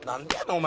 お前。